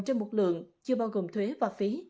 trên một lượng chưa bao gồm thuế và phí